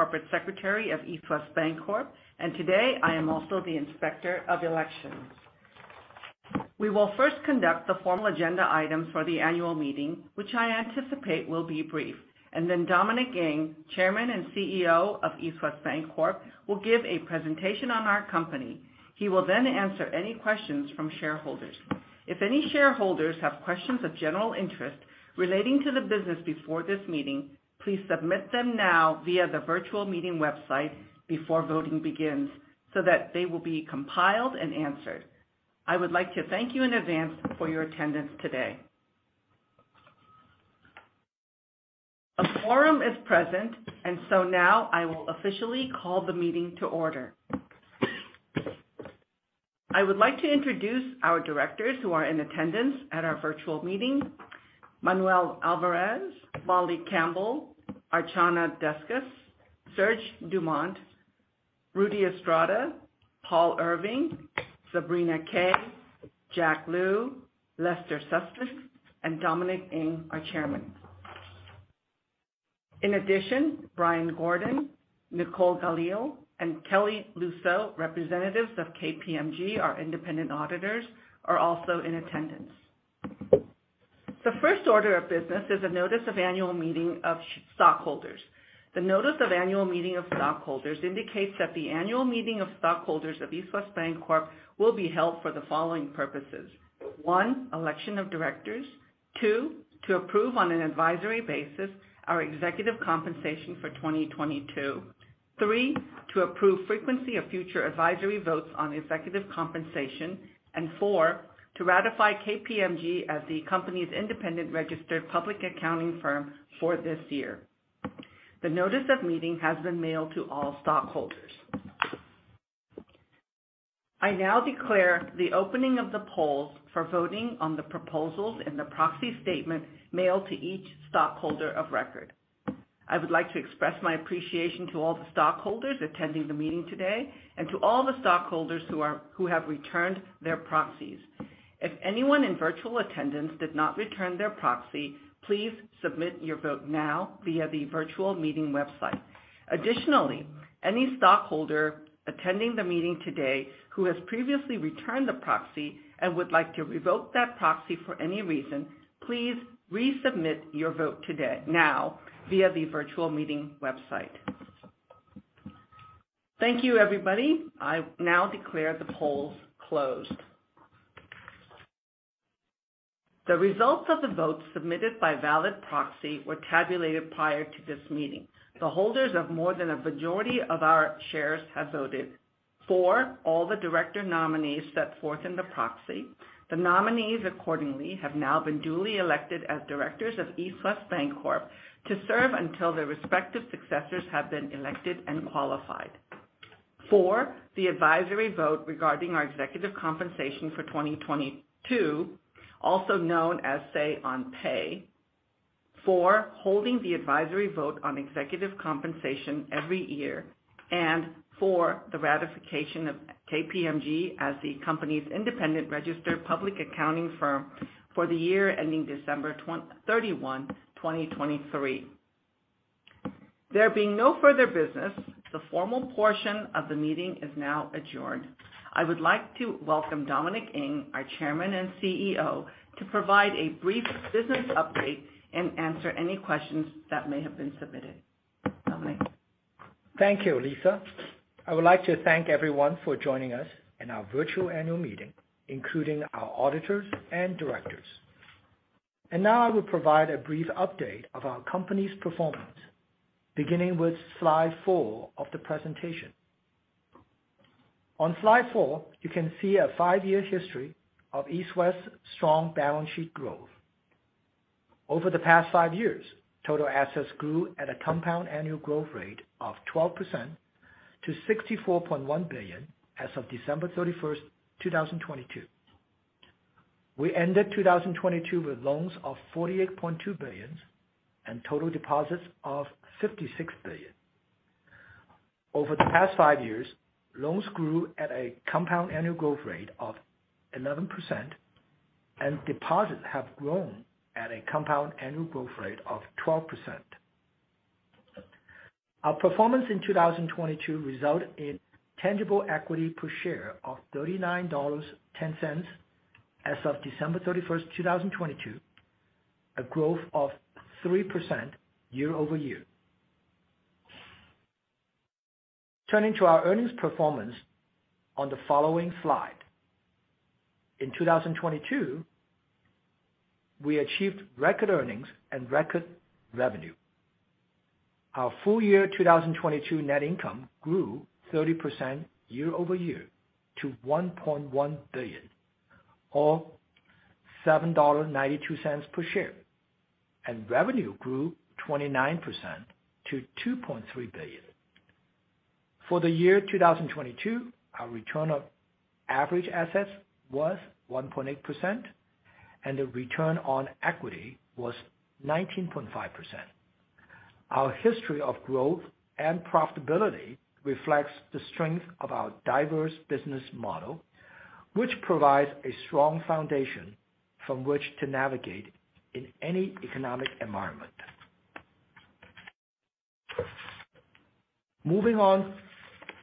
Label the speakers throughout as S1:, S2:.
S1: Corporate Secretary of East West Bancorp, today I am also the Inspector of Elections. We will first conduct the formal agenda item for the annual meeting, which I anticipate will be brief, and then Dominic Ng, Chairman and CEO of East West Bancorp, will give a presentation on our company. He will answer any questions from shareholders. If any shareholders have questions of general interest relating to the business before this meeting, please submit them now via the virtual meeting website before voting begins, so that they will be compiled and answered. I would like to thank you in advance for your attendance today. A quorum is present, and so now I will officially call the meeting to order. I would like to introduce our directors who are in attendance at our virtual meeting. Manuel Alvarez, Molly Campbell, Archana Deskus, Serge Dumont, Rudy Estrada, Paul Irving, Sabrina Kay, Jack Lu, Lester S. Sussman, and Dominic Ng, our chairman. Brian Gordon, Nicole Galli, and Kelly Russo, representatives of KPMG, our independent auditors, are also in attendance. The first order of business is a notice of annual meeting of stockholders. The notice of annual meeting of stockholders indicates that the annual meeting of stockholders of East West Bancorp will be held for the following purposes. One,. election of directors. Two, to approve on an advisory basis our executive compensation for 2022. Three, to approve frequency of future advisory votes on executive compensation. Four, to ratify KPMG as the company's independent registered public accounting firm for this year. The notice of meeting has been mailed to all stockholders. I now declare the opening of the polls for voting on the proposals in the proxy statement mailed to each stockholder of record. I would like to express my appreciation to all the stockholders attending the meeting today and to all the stockholders who have returned their proxies. If anyone in virtual attendance did not return their proxy, please submit your vote now via the virtual meeting website. Additionally, any stockholder attending the meeting today who has previously returned the proxy and would like to revoke that proxy for any reason, please resubmit your vote today, now via the virtual meeting website. Thank you, everybody. I now declare the polls closed. The results of the votes submitted by valid proxy were tabulated prior to this meeting. The holders of more than a majority of our shares have voted for all the director nominees set forth in the proxy. The nominees accordingly have now been duly elected as directors of East West Bancorp to serve until their respective successors have been elected and qualified. For the advisory vote regarding our executive compensation for 2022, also known as Say on Pay, for holding the advisory vote on executive compensation every year, and for the ratification of KPMG as the company's independent registered public accounting firm for the year ending December 31, 2023. There being no further business, the formal portion of the meeting is now adjourned. I would like to welcome Dominic Ng, our Chairman and CEO, to provide a brief business update and answer any questions that may have been submitted. Dominic?
S2: Thank you, Lisa. I would like to thank everyone for joining us in our virtual annual meeting, including our auditors and directors. Now I will provide a brief update of our company's performance beginning with slide four of the presentation. On slide four, you can see a five-year history of East West's strong balance sheet growth. Over the past five years, total assets grew at a Compound Annual Growth Rate of 12% to $64.1 billion as of December 31st, 2022. We ended 2022 with loans of $48.2 billions and total deposits of $56 billion. Over the past five years, loans grew at a Compound Annual Growth Rate of 11%, and deposits have grown at a Compound Annual Growth Rate of 12%. Our performance in 2022 result in tangible equity per share of $39.10 as of December 31st, 2022, a growth of 3% YoY. Turning to our earnings performance on the following slide. In 2022, we achieved record earnings and record revenue. Our full year 2022 net income grew 30% YoY to $1.1 billion or $7.92 per share, and revenue grew 29% to $2.3 billion. For the year 2022, our Return on Average Assets was 1.8%, and the Return on Equity was 19.5%. Our history of growth and profitability reflects the strength of our diverse business model, which provides a strong foundation. From which to navigate in any economic environment. Moving on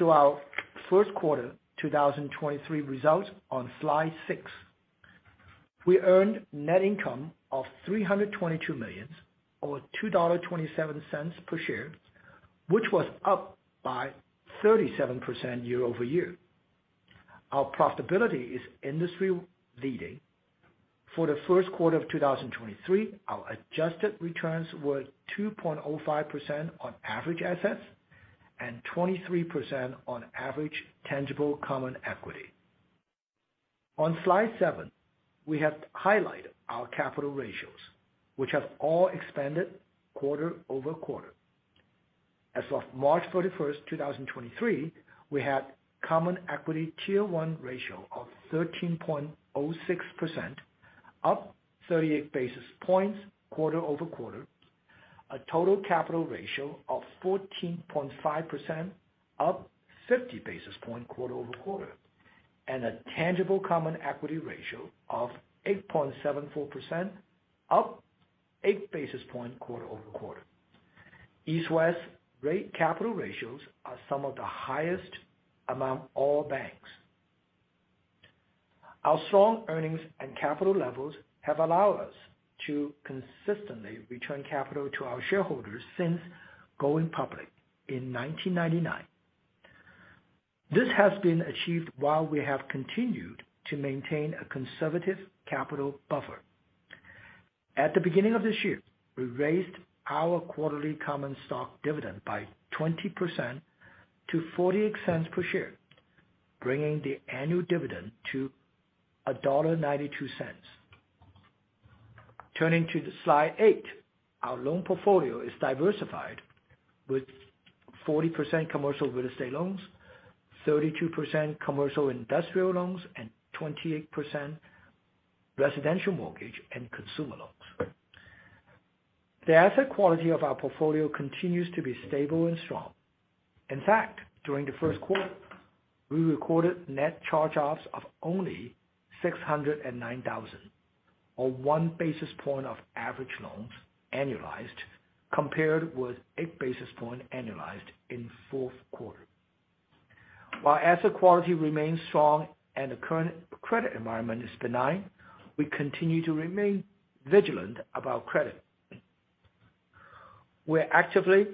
S2: to our first quarter 2023 results on slide six. We earned net income of $322 million or $2.27 per share, which was up by 37% YoY. Our profitability is industry leading. For the first quarter of 2023, our adjusted returns were 2.05% on average assets and 23% on average tangible common equity. On slide seven, we have highlighted our capital ratios, which have all expanded quarter-over-quarter. As of March 31st, 2023, we had Common Equity Tier 1 ratio of 13.06%, up 38 basis points QoQ, a Total Capital Ratio of 14.5%, up 50 basis points QoQ, and a tangible common equity ratio of 8.74%, up 8 basis points QoQ. East West rate capital ratios are some of the highest among all banks. Our strong earnings and capital levels have allowed us to consistently return capital to our shareholders since going public in 1999. This has been achieved while we have continued to maintain a conservative capital buffer. At the beginning of this year, we raised our quarterly common stock dividend by 20% to $0.48 per share, bringing the annual dividend to $1.92. Turning to slide eight, our loan portfolio is diversified, with 40% commercial real estate loans, 32% commercial industrial loans, and 28% residential mortgage and consumer loans. The asset quality of our portfolio continues to be stable and strong. In fact, during the first quarter, we recorded Net Charge-Offs of only $609,000 or 1 basis point of average loans annualized compared with 8 basis point annualized in fourth quarter. While asset quality remains strong and the current credit environment is benign, we continue to remain vigilant about credit. We're actively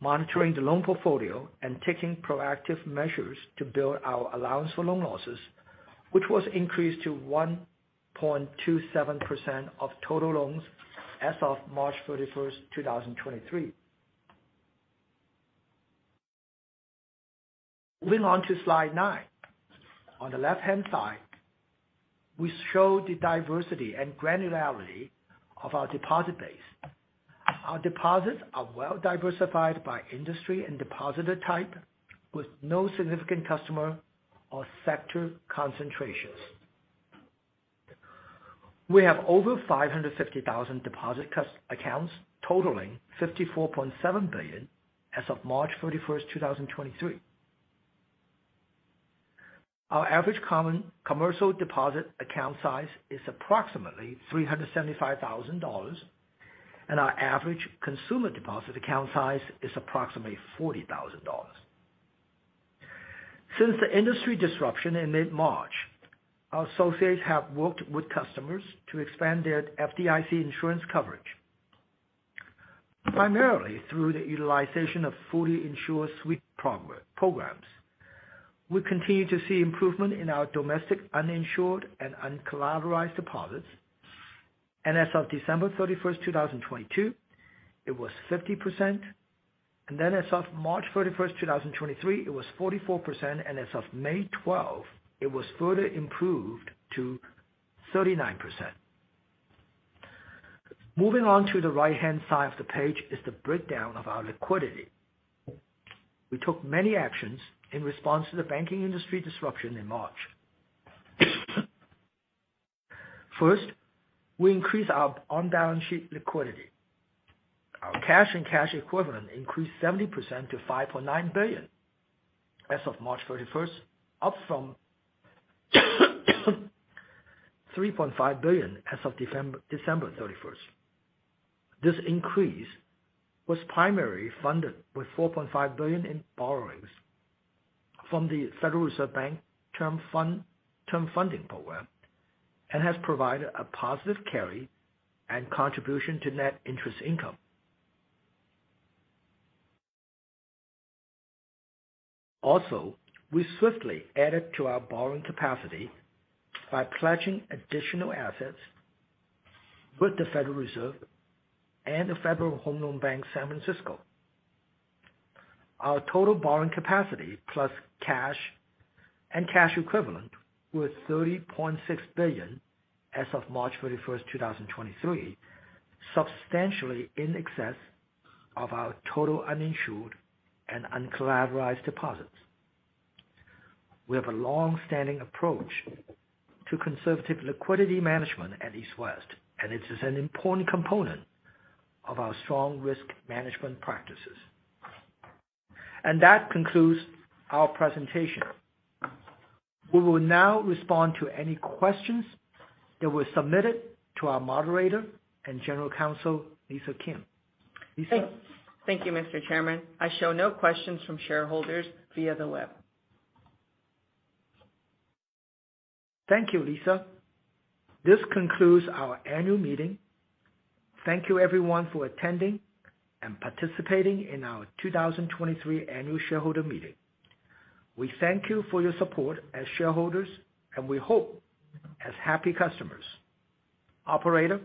S2: monitoring the loan portfolio and taking proactive measures to build our Allowance for Loan Losses, which was increased to 1.27% of total loans as of March 31st, 2023. Moving on to slide nine. On the left-hand side, we show the diversity and granularity of our deposit base. Our deposits are well diversified by industry and depositor type, with no significant customer or sector concentrations. We have over 550,000 deposit accounts totaling $54.7 billion as of March 31st, 2023. Our average common commercial deposit account size is approximately $375,000, and our average consumer deposit account size is approximately $40,000. Since the industry disruption in mid-March, our associates have worked with customers to expand their FDIC insurance coverage, primarily through the utilization of fully insured sweep programs. We continue to see improvement in our domestic uninsured and uncollateralized deposits. As of December 31st, 2022, it was 50%. As of March 31st, 2023, it was 44%. As of May 12, it was further improved to 39%. Moving on to the right-hand side of the page is the breakdown of our liquidity. We took many actions in response to the banking industry disruption in March. First, we increased our on-balance sheet liquidity. Our cash and cash equivalent increased 70% to $5.9 billion as of March 31st, up from $3.5 billion as of December 31st. This increase was primarily funded with $4.5 billion in borrowings from the Federal Reserve Bank Term Funding Program and has provided a positive carry and contribution to Net Interest Income. We swiftly added to our borrowing capacity by pledging additional assets with the Federal Reserve and the Federal Home Loan Bank San Francisco. Our total borrowing capacity plus cash and cash equivalent was $30.6 billion as of March 31st, 2023, substantially in excess of our total uninsured and uncollateralized deposits. We have a long-standing approach to conservative liquidity management at East West, and it is an important component of our strong risk management practices. That concludes our presentation. We will now respond to any questions that were submitted to our moderator and General Counsel, Lisa Kim. Lisa?
S1: Thank you, Mr. Chairman. I show no questions from shareholders via the web.
S2: Thank you, Lisa. This concludes our annual meeting. Thank you everyone for attending and participating in our 2023 annual shareholder meeting. We thank you for your support as shareholders and we hope as happy customers. Operator?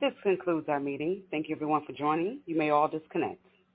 S3: This concludes our meeting. Thank you everyone for joining. You may all disconnect.